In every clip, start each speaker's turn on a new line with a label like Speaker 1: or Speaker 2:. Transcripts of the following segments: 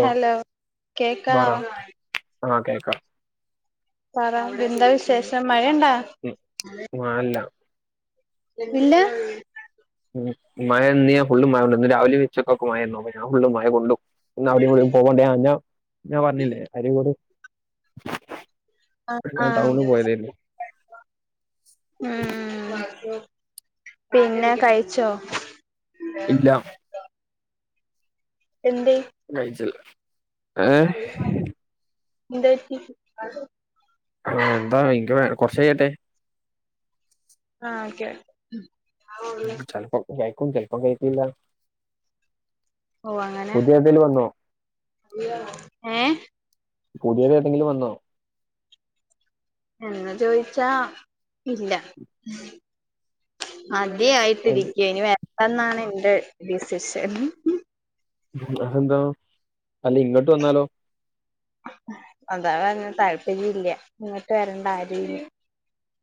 Speaker 1: Hello കേക്കാവാ
Speaker 2: ആഹ് കേക്കാം
Speaker 1: പറ എന്താ വിശേഷം മഴയൊണ്ടാ
Speaker 2: [unintelligible] മഴല്ല
Speaker 1: ഇല്ല
Speaker 2: മയ ഇന്ന്യാൻ ഫുള്ള് മയൊണ്ട് ഇന്ന് രാവിലെ ഉച്ചക്കൊക്കെ മയന്നു അ ഞാ ഫുള്ള് മഴ കൊണ്ടു ഇന്നവിടെയും കൂടി പോവണ്ടേ ഞാ ഞാൻ പറഞ്ഞില്ലേ അരയും കൂടെ ഞാ ടൗണ് പോയതേനു
Speaker 1: ആഹ് പിന്ന കയ്ച്ചോ
Speaker 2: ഇല്ല
Speaker 1: എന്തെ
Speaker 2: കയ്ച്ചില്ല ഏ
Speaker 1: എന്ത് പറ്റി?
Speaker 2: ആഹ് എന്താ ഇൻക്ക് വേ കൊറച്ചയ്യട്ടെ.
Speaker 1: ആഹ് ഓക്കെ.
Speaker 2: ചെൽപ്പം കയിക്കും, ചെൽപ്പം കയിക്കൂല്ല.
Speaker 1: ഓ അങ്ങനെ
Speaker 2: പുതിയേതേലും വന്നോ?
Speaker 1: ഏ
Speaker 2: പുതിയത് ഏതെങ്കിലും വന്നോ?
Speaker 1: എന്ന് ചോദിച്ചാ ഇല്ല. മതിയായ്
Speaker 2: അത്
Speaker 1: സ്ഥിതിക്ക് [unintelligible] ന്നാണ് എന്റെ ഡിസിഷൻ.
Speaker 2: അതെന്താ, അല്ല ഇങ്ങട്ട് വന്നാലോ?
Speaker 1: അതാ പർഞ്ഞെ താല്പര്യല്ല. ഇങ്ങട്ട് വരണ്ട ആര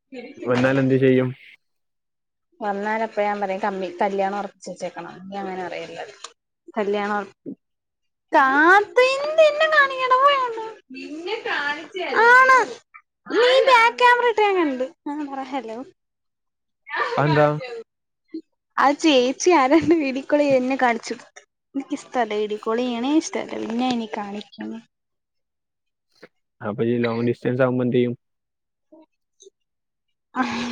Speaker 1: [unintelligible]
Speaker 2: വന്നാലെന്ത് ചെയ്യും?
Speaker 1: വന്നാലപ്പ ഞാൻ പറിം, കമ്മി കല്യാണം ഒറപ്പിച്ച് വെച്ചേക്ക്ണാന്ന് ഇനി അങ്ങനെ പറയും [unintelligible] കല്യാണോ [unintelligible] നിന്നെ കാണിച്ചെ ആണൊ നീ ബേക്ക്യാമറ ഇട്ടെ ഞാൻ കണ്ട്, ആഹ് പറ ഹലോ
Speaker 2: അതെന്താ?
Speaker 1: അത് ചേച്ചി ആരാണ്ട് വീഡിയോ കോളെയ്യ എന്നെ കാണിച്ചു [unintelligible] ഇയ്ക്ക് ഇഷ്ടല്ല, വീഡിയോകോളെയ്യ്ണേ ഇഷ്ടല്ല. പിന്നെ ഇനി കാണിക്ക്ന്ന്.
Speaker 2: അപ്പൊ ഇയ് ലോങ് ഡിസ്ററൻസാകുമ്പോ എന്തെയ്യും?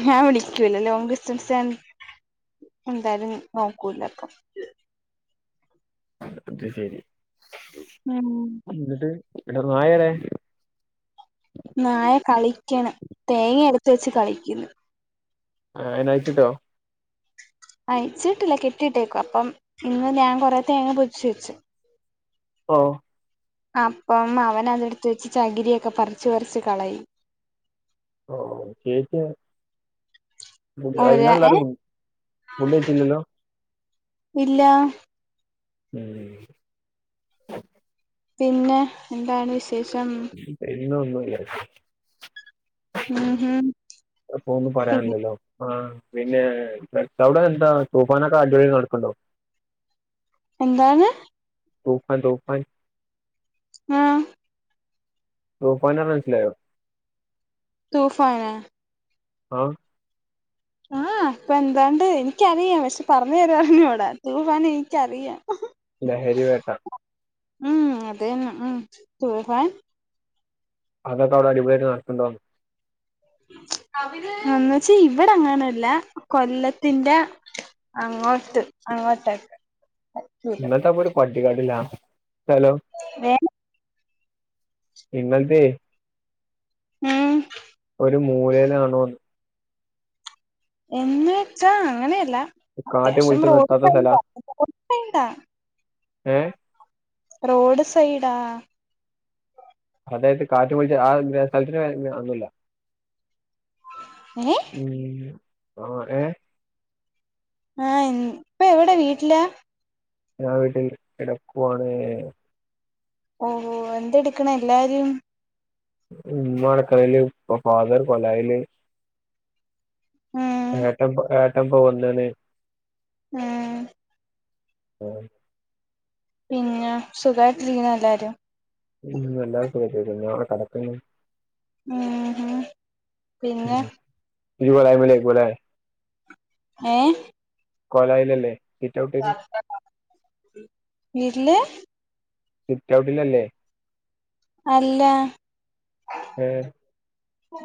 Speaker 1: ഞാൻ വിളിക്കൂല്ല, ലോങ് ഡിസ്റ്റൻസാ എന്തായാലും നോക്കൂലപ്പം
Speaker 2: അത് ശരി
Speaker 1: ഉം
Speaker 2: എന്നിട്ട് എടൊ നായടെ?
Speaker 1: നായ കളിക്കണ്, തേങ്ങ എടുത്ത് വെച്ച് കളിക്ക്ന്ന്.
Speaker 2: ആഹ് അയ്നയ്ച്ച്ട്ടോ?
Speaker 1: അയ്ച്ചിട്ടില്ല, കെട്ടിയിട്ടേക്കുവ. അപ്പം ഇന്ന് ഞാൻ കൊറേ തേങ്ങ പൊതിച്ചു വെച്ചു.
Speaker 2: ഓഹ്
Speaker 1: അപ്പം അവനതെടുത്ത് വെച്ച് ചകിരിയൊക്കെ പറിച്ച്പറിച്ച് കളയും.
Speaker 2: ഓഹ്, ചേച്ചിയൊ ഫുഡ്
Speaker 1: ഒര ഏ
Speaker 2: അയ്നെല്ലാരും ഫുഡ്ഡയ്ചീല്ലല്ലോ?
Speaker 1: ഇല്ലാ.
Speaker 2: ഊം.
Speaker 1: പിന്നെ, എന്താണ് വിശേഷം?
Speaker 2: പിന്നെ ഒന്നൂല്ല.
Speaker 1: ഉം ഹും
Speaker 2: അപ്പോ ഒന്നും
Speaker 1: പിന്നെ
Speaker 2: പറയാനില്ലല്ലോ ആഹ് പിന്നേ [unintelligible] അവ്ടെ എന്താ തൂഫാനൊക്കെ അടിപൊളിയായ് നടക്ക്ണ്ടോ?
Speaker 1: എന്താന്ന്?
Speaker 2: തൂഫാൻ, തൂഫാൻ
Speaker 1: ആഹ്
Speaker 2: ത്താണ് പർഞ്ഞ മനസ്സിലായോ?
Speaker 1: തൂഫാനാ?
Speaker 2: അഹ്
Speaker 1: ആഹ് ഇപ്പെന്താണ്ട്, എനി ക്കറിയാം. പക്ഷെ പറഞ്ഞ് തരാൻ അറിഞ്ഞൂട. തൂഫാന് എനിക്കറിയാം.
Speaker 2: ലഹരി വേട്ട
Speaker 1: ഉം അതെന്നെ, തൂഫാൻ
Speaker 2: അതൊക്കവ്ടെ അടിപൊള്യായിട്ട് നോക്ക്ണ്ടോന്ന്
Speaker 1: എന്നച്ച് ഇവടെ അങ്ങനല്ല. കൊല്ലത്തിന്റെ അങ്ങോട്ട് അങ്ങോട്ടൊക്കെ
Speaker 2: ഇങ്ങൾതപ്പൊ ഒരു പട്ടിക്കാട്ടിലാ, സ്ഥലം?
Speaker 1: [unintelligible]
Speaker 2: പിന്നെന്തെ
Speaker 1: ഉം
Speaker 2: ഒരു മൂലേയിലാണോന്ന്
Speaker 1: എന്ന് വെച്ചാൻ അങ്ങനെയല്ല
Speaker 2: കാറ്റ്
Speaker 1: അത്യാവശ്യം
Speaker 2: മുഴിച്ച് നിർത്താത്ത
Speaker 1: റോഡ്സൈഡാ
Speaker 2: സ്ഥല
Speaker 1: റോഡ് സൈഡാ
Speaker 2: ഏ
Speaker 1: റോഡ് സൈഡാ
Speaker 2: അതായത് കാറ്റുപളിച്ച ആഹ് സ്ഥലത്തിന് പേരാന്ത [unintelligible]
Speaker 1: ങെ
Speaker 2: ഉം ആഹ് ഏഹ്
Speaker 1: ആഹ് ൻ ഇപ്പ എവിടെ വീട്ടിലാ
Speaker 2: ഞാൻ വീട്ടിൽ കിടക്കുവാണ്
Speaker 1: ഓഹോ എന്തടുക്കണ എല്ലാരും
Speaker 2: ഉമ്മ അടക്കളയിലും പ്പോ ഫാദർ കൊലായില്
Speaker 1: ഉം
Speaker 2: ഏട്ടം പ്പോ ഏട്ടം പ്പോ വന്നീന്
Speaker 1: ആഹ്
Speaker 2: ആഹ്
Speaker 1: പിന്നെ സുഖായിട്ടിരിക്ക്ണ എല്ലാരും
Speaker 2: ഉം എല്ലാരും സുഖായിട്ടിരിക്കുന്നു ഞാൻ ഇവിടെ കിടക്കുന്ന്
Speaker 1: ഉം ഹും പിന്നെ
Speaker 2: ഉം. ഇയ്യ് കോലാമേലേക്കുലേ
Speaker 1: ഏഹ്
Speaker 2: കൊലായിലല്ലേ സിറ്റ് ഔട്ടിൽ
Speaker 1: [unintelligible] വീട്ടില്
Speaker 2: സിറ്റ് ഔട്ടില്ലല്ലേ
Speaker 1: അല്ല
Speaker 2: ഏഹ്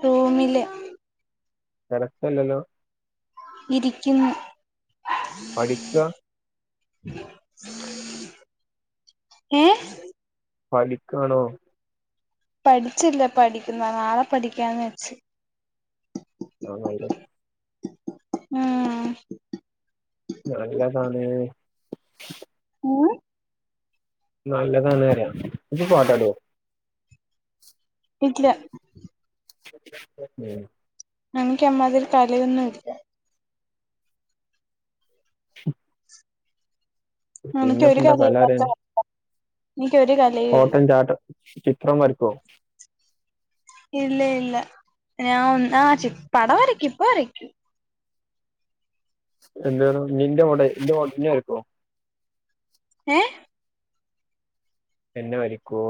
Speaker 1: റൂമില്ല്
Speaker 2: തിരക്കല്ലല്ലോ
Speaker 1: ഇരിക്കുന്ന്
Speaker 2: പഠിക്കാ
Speaker 1: ഏഹ്
Speaker 2: പഠിക്കാണോ
Speaker 1: പഠിച്ചില്ല പഠിക്കുന്ന് നാളെ പഠിക്കാന്ന് വെച്ച്
Speaker 2: അതാ നല്ലത്
Speaker 1: ഉം
Speaker 2: നല്ലതാണ്
Speaker 1: ഉം
Speaker 2: നല്ലതാണറയാ ഇജ്ജ് പാട്ടാടോ
Speaker 1: ഇല്ല
Speaker 2: ഉം
Speaker 1: എനക്ക് അമ്മാതിരി കലയൊന്നും ഇല്ല
Speaker 2: ഉം
Speaker 1: എനക്കൊരു
Speaker 2: കല
Speaker 1: കലേതാണ് ച്ചാ പറഞ്ഞോ എനിക്ക്‌ ഒരു കൽ
Speaker 2: ഓട്ടൻ ചാട്ടം ചിത്രം വരക്കുവോ?
Speaker 1: ഇല്ല ഇല്ല ഞാ ഒന്ന് ആഹ് പടം വരയ്ക്കും ഇപ്പ വരയ്ക്കും
Speaker 2: എന്താടോ നിന്റെ മൊടെ എന്റെ മോഡ് ഇന്നെ വരക്കോ
Speaker 1: ഏഹ്
Speaker 2: എന്നെ വരക്കോ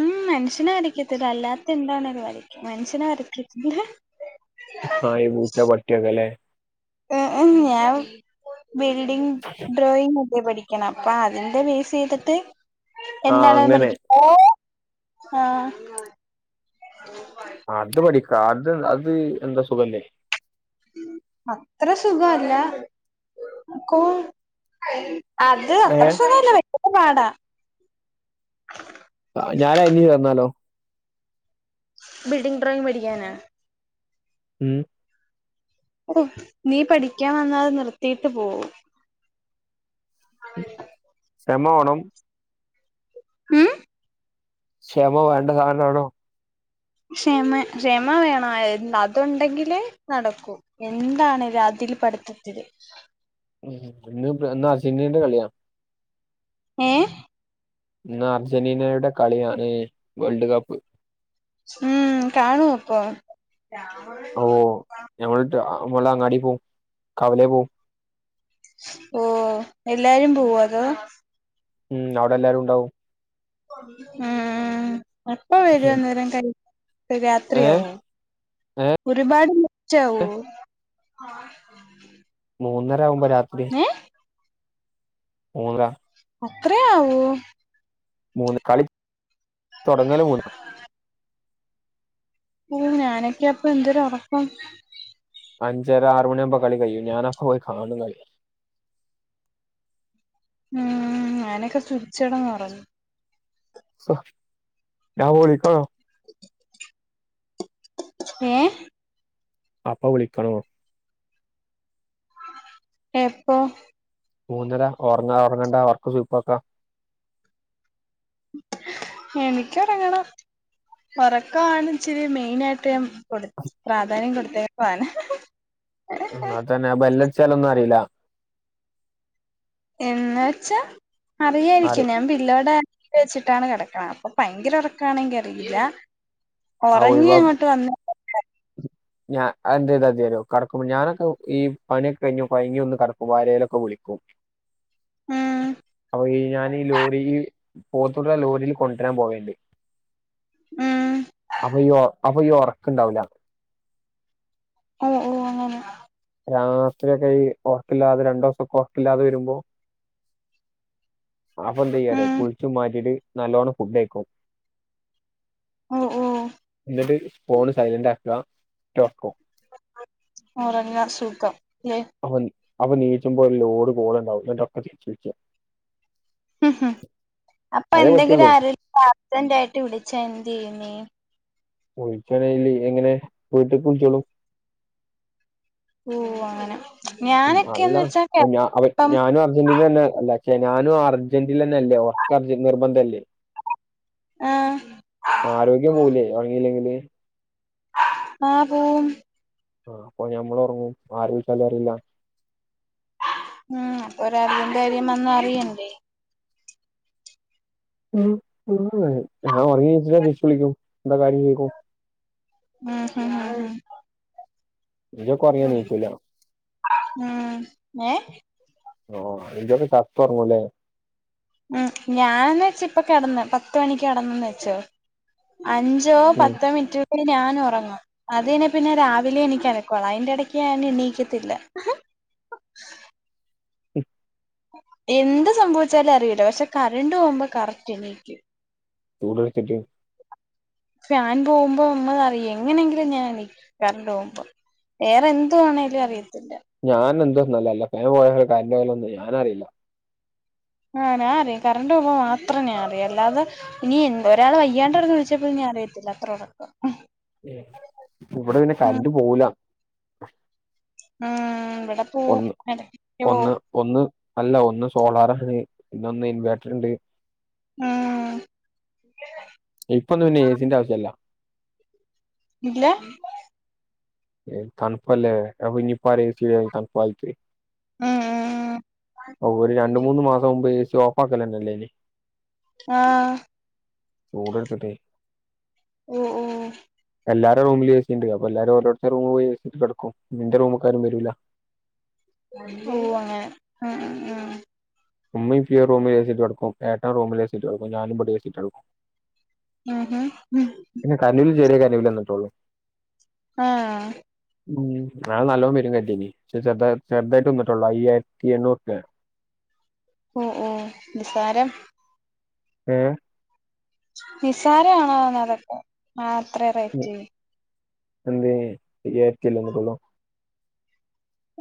Speaker 1: ഉം മനുഷ്യനെ വരക്കത്തില്ല അല്ലാത്ത എന്താണേലും വരയ്ക്കും മനുഷ്യനെ വരയ്ക്കത്തില്ല.
Speaker 2: നായ് പൂച്ച പട്ടിക്കൊല്ലേ
Speaker 1: ഉം ഉം ഞാൻ ബിൽഡിംഗ് ഡ്രോയിങ് ഒക്കെയാ പഠിക്ക്‌ അപ്പ അതിന്റെ ബേസ് ചെയ്തിട്ട്
Speaker 2: ആ
Speaker 1: എന്താണേലും
Speaker 2: അങ്ങനെ
Speaker 1: പഠിക്ക ഓഹ് ആഹ്
Speaker 2: അത് പഠിക്ക അത് അത് എന്താ സുഖല്ലേ?
Speaker 1: അത്ര സുഖഅല്ല കോ അത്
Speaker 2: ഏ
Speaker 1: അത്ര സുഖല്ല വെക്കത്ത പാടാ
Speaker 2: ഞാനായ്നി വന്നാലോ?
Speaker 1: ബിൽഡിംഗ് ഡ്രോയിങ് പഠിക്കാനോ?
Speaker 2: ഉം.
Speaker 1: ഓ നീ പഠിക്ക്യാ വന്നാൽ നിർത്തിയിട്ട് പോവും. അതെ
Speaker 2: സെമോണം-
Speaker 1: മ്മ്.
Speaker 2: ഷമ വേണ്ട സാനാണൊ
Speaker 1: ഷമ കഷമ വേണം അതുണ്ടെങ്കില് നടക്കും. എന്താണ് രാത്രി പഠിത്തതില്
Speaker 2: ന്ന് ന്ന് അർജന്റീനന്റെ കള്യ
Speaker 1: ഏഹ്
Speaker 2: ന്ന് അർജന്റീനയുടെ കളിയാണ് വേൾഡ് കപ്പ്-
Speaker 1: മ്മ് കാണു അപ്പൊ?
Speaker 2: ഓ ഞമ്മൾ നമ്മളങ്ങാടി പോഉം കവലേ പോവും.
Speaker 1: ഓ എല്ലാരും പോവ അതോ?
Speaker 2: മ്മ് അവടെ എല്ലാരും ഉണ്ടാവും.
Speaker 1: ആഹ് എപ്പ വരു അന്നേര കളി
Speaker 2: ഏ
Speaker 1: രാത്രിയാവു
Speaker 2: ഏ
Speaker 1: ഒരുപാട് റ്റാവോ? [inaudible]
Speaker 2: മൂന്നരാഉമ്പൊ രാത്രി മൂന്നാര-
Speaker 1: അത്രേയാവോ?
Speaker 2: മൂന്ന് കളി തൊടങ്ങല് മൂന്ന്
Speaker 1: ഓഹ് ഞാനൊക്ക്യപ്പൊ ന്തൊരു ഒറപ്പം
Speaker 2: അഞ്ചരാ റുമണിയാവുമ്പോ കളി കയ്യും ഞാനപോയി കാണും
Speaker 1: മ്മ് ഞനൊക്കെ സുച്ചടന്നൊറങ്ങും-
Speaker 2: ഞാ വിളിക്കണോ?
Speaker 1: ഏഹ്
Speaker 2: അപ്പവിളിക്കണോ?
Speaker 1: എപ്പൊ?
Speaker 2: മൂന്നര ഒർങ്ങ ഒർങ്ങണ്ട ഒർക്ക് സുയ്പാക്ക
Speaker 1: എനിക്യോറങ്ങണം ഒറക്കാണ് ച്ചിരി മെയിനായ്ട്ട് കൊട് പ്രാധാന്യം കൊടുത്തേ [unintelligible]
Speaker 2: മ്മ് അതന്നെ ആ ബെല്ലട്ച്ചലൊന്നും അറീല
Speaker 1: എന്ന വെച്ചാ
Speaker 2: അറി
Speaker 1: അറിയായിരിക്കും ഞാൻ പില്ലോടെ- വെച്ചിട്ടാണ് കെടക്ണെ പ്പൊ ഭയങ്കരൊറക്കാണെങ്കി അറിയില്ല.
Speaker 2: ആ
Speaker 1: ഒറങ്ങി അങ്ങോട്ട് വന്ന
Speaker 2: ഞാ അഎന്തെയ്താതിഅറ്യോ കടക്കുമ്പോ ഞാനൊക്കെ ഈ പണിയൊക്കെ യ്ഞ് കൊയ്ങ്ങി വന്ന് കടക്കുമ്പോ ആരേലൊക്കെ വിളിക്കും.
Speaker 1: ഉം
Speaker 2: അപ്പൊ ഈ ഞാനീ ലോറീല് പോതുട്ട്യളെ ലോറില് കൊണ്ട്രാൻ പോവേണ്ട്
Speaker 1: ഉം
Speaker 2: അപ്പൊ ഈ അപ്പൊ ഈ ഒർക്കുണ്ടാഊല-
Speaker 1: മ്മ് മ്മ് അങ്ങനെ
Speaker 2: രാത്റ്യോക്കെ ഈ ഒർക്കില്ലാതെ രണ്ടോസൊക്കെ ഒർക്കില്ലാതെ വരുമ്പോ- അപ്പൊന്തെയ്യാറ്യോ
Speaker 1: ഉം
Speaker 2: കുളിച്ചു മാറ്റിയിട്ട് നല്ലോണം ഫുഡ്ഡയ്ക്കും.
Speaker 1: ഓ ഓ
Speaker 2: ഇന്നെട്ട് ഫോൺ സൈലെന്റ് ആക്കാ ഒറ്റ ഒർക്കും
Speaker 1: ഒറങ്ങാ സുഖം ലെ
Speaker 2: അപ്പം അപ്പം നീച്ചുമ്പോ ഒര് ലോഡ് കോൾ ഇണ്ടാവും ഇന്നട്ടൊക്കെ തിര്ച്ച് വുൾക്ക്യാ
Speaker 1: അപ്പ
Speaker 2: അതേ
Speaker 1: എന്തെങ്കിലും
Speaker 2: പറ്റുള്ളൂ
Speaker 1: ആരെലും അർജെന്റായിട്ട് വിളിച്ചാ എന്തെയ്യും നീ
Speaker 2: വുൾച്ചാല്ലോൽ [unintelligible] എങ്ങനെ വീട്ട്ക്ക്‌ വുൾചോളും
Speaker 1: ഓഹ് അങ്ങനെ
Speaker 2: ഉം
Speaker 1: ഞാനൊക്കെന്ന്
Speaker 2: അല്ലാ
Speaker 1: വെച്ചാ
Speaker 2: അപ്പ ഞാ അപ്പ
Speaker 1: ഇപ്പം
Speaker 2: ഞാനും അർജന്റീനന്നെ അല്ലെ ച്ചെ ഞാനും അർ അർജെന്റിലെന്നെ അല്ലെ ഒർക്കം അർജെന്റ് നിർബന്ധം അല്ലെ
Speaker 1: ആഹ്
Speaker 2: ആരോഗ്യം പോവുലെ ഒറങ്ങില്ലെങ്കിൽ?
Speaker 1: ആഹ് പോവും.
Speaker 2: ആഹ് അപ്പ ഞമ്മളും ഒറങ്ങും ആര് വുൾച്ചാലും അറീലാ.
Speaker 1: ഉം ഒര് അർജെന്റ് കാര്യം വന്നാ അറിയെണ്ടെ?
Speaker 2: ഉം ഉം ഏഹ് ഞാ ഒർങ്ങി നീച്ചിട്ട് തിരിച്ച് വിളിക്കും. എന്താ കാര്യം ചൊയ്ക്കും.
Speaker 1: ഉം ഉം [unintelligible]
Speaker 2: ഇയ്യ് ഒക്കെ ഒർങ്ങിയാ
Speaker 1: ഉം
Speaker 2: നീച്ചോല്ലോ?
Speaker 1: ഉം ഞാ എ
Speaker 2: ഓഹ് ഇജ് ഒക്കെ ചത്തൊർങ്ങുംലെ?
Speaker 1: ഉം ഞാനെന്ന് വെച്ചാ ഇപ്പൊ കെട്ന്ന് പത്ത് മണിക്ക് കെട്ന്നെന്ന് വെച്ചോ അഞ്ച് ഞ്ചോ
Speaker 2: ഉം
Speaker 1: പത്തോ മിൻറ്റ് പിന്നെ ഞാനൊറങ്ങും. അതെയ്നാ പിന്നെ രാവിലെ എണീക്കാറൊക്കെ ഒള്ളു. അയിന്റെ എടെയ്ക്ക് ഞാൻ എണീക്കത്ത് ഇല്ല.
Speaker 2: ഉം,
Speaker 1: എന്ത് സംഭവിച്ചാലും അറീല്ലാ. പക്ഷെ കറന്റ് പോവുമ്പോ കറക്റ്റ് എണീക്കും.
Speaker 2: ചൂട് എട്ത്തിട്ട്.
Speaker 1: ഫാൻ പോവുമ്പോ ഉമ്മ അയ് അറിയേ എങ്ങനെങ്കിലും ഞാ എണീക്കും കറന്റ് പോവുമ്പം. വേറെ എന്തു വാണേലും അറിയത്തില്ല.
Speaker 2: ഞാനെന്ത്‌ വന്നാലും അല്ല ഫാൻ പോയാലും കറന്റ് പോയാലോന്നും ഞാന് അറീലാ
Speaker 1: ആഹ് നാ അറിം കറന്റ് പോവുമ്പോ മാത്രം ഞാ അറിം അല്ലാതെ ഇനി ഒരാള് വയ്യാണ്ട് കെടന്ന് വിൾ പ്പോലും ഞാ അറിയത്തില്ല അത്ര ഒറക്കാ.
Speaker 2: [inaudible] ഇപ്പം ഇവെടെ ഇങ്ങനെ കറന്റ് പോപുലാ
Speaker 1: ആഹ് ഇവെടെ ഇപ്പ
Speaker 2: ഒന്ന് ഒന്ന് ഒന്ന് അല്ല ഒന്ന് സോളാറാണ് പിന്നെ ഒന്ന് ഇൻവെട്ടർ ഇണ്ട്.
Speaker 1: ഉം
Speaker 2: ഇപ്പൊന്നും പിന്നെ എ സിന്റെ ആവ്ശ്യം ഇല്ല.
Speaker 1: ഇല്ലാ
Speaker 2: ഏഹ് തണ്പ്പ് അല്ലെ അപ്പ ഇഞ്ഞ് ഇപ്പ ആരെയും ചെയ്യോ ഈ തൺപ്പായിറ്റ്?
Speaker 1: ഉം ഉം
Speaker 2: ഔഹ് ഒര് രണ്ട് മൂന്ന് മാസം മുമ്പ് എ സി ഓഫാക്കലെന്നെ ഇല്ലെയ്നി.
Speaker 1: ആഹ്.
Speaker 2: ചൂട് ഇട്ത്ത്ട്ടെയ്
Speaker 1: ഓഹ് ഓഹ്. ഓഹ്
Speaker 2: എല്ലാരെ റൂമിലും എ സി ഇണ്ട്. അപ്പ എല്ലാരും ഒരോര് ന്റെ റൂമ് പോയി എ സി ഇട്ട് കെട്ക്കും. പിന്നെ ഇന്റെ റൂമ്ക്കാരും വെരൂലാ.
Speaker 1: ഓഹ് അങ്ങനെ ഉം ഉം ഉം.
Speaker 2: ഉമ്മിം ഉപ്പിം ഒര് റൂമിൽ എ സി ഇട്ട് കെട്ക്കും. ഏട്ടം റൂമിൽ എ സി ഇട്ട് കെട്ക്കും. ഞാൻ ഇബെടിം എ സി ഇട്ട് കെട്ക്കും.
Speaker 1: ആഹ് ആഹ് ഉം.
Speaker 2: ഇല്ല കർന്റ് ബില്ല് ചെറെ കർന്റ് ബില്ല് വന്ന്ട്ടൊള്ളു.
Speaker 1: ആഹ്.
Speaker 2: ഉം. അഹ് നല്ലോം വെരും കര്ന്റും ബില്ല്. പക്ഷെ ചെർതാ ചെർതായിട്ട് വന്ന്ട്ടൊള്ളു. അയ്യായിര്ത്തി എണ്ണൂറുപ്യാ
Speaker 1: ഓഹ് ഓഹ് നിസാരം.
Speaker 2: ഏഹ്
Speaker 1: നിസാരം ആണ്ന്ന് പറിയ അപ്പോ ആഹ് അത്രേം റൈറ്റെയ്?
Speaker 2: എന്തേ അയ്യാരത്തിയല്ലേ വന്ന്ട്ടൊള്ളു.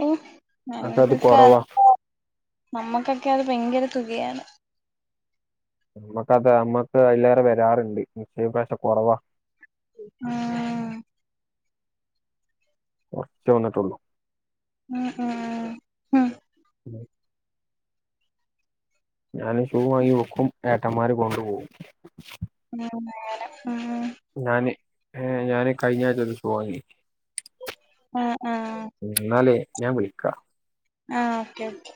Speaker 1: ഉം
Speaker 2: അത്
Speaker 1: ഞങ്ങൾക്കൊക്കെ
Speaker 2: കുറവാ
Speaker 1: അതൊക്കെ നമ്മക്കൊക്കെ അത് ഭയങ്കര തുകയാണ്.
Speaker 2: നമ്മക്കത് നമ്മക്ക് അയ്ലേറെ വരാറ്ണ്ട്. ഈ പ്രാവശ്യം കൊറവാ
Speaker 1: ആഹ്.
Speaker 2: കൊർച്ചേ വന്നിട്ടൊള്ളൂ.
Speaker 1: ആഹ് ആഹ്
Speaker 2: ഞാന് ഷൂവ് വാങ്ങി വെക്കും ഏട്ടന്മാര് കൊണ്ടുപോകും.
Speaker 1: ഇങ്ങനെ മേലെ ആഹ്
Speaker 2: ഞാന് ഏഹ് ഞാന് കഴിഞ്ഞായ്ച ഒരൂസം വാങ്ങി
Speaker 1: ആഹ് ആഹ്
Speaker 2: ഇന്നാലേ ഞാൻ വിളിക്കാ.
Speaker 1: ആഹ് ഓക്കേ ഓക്കേ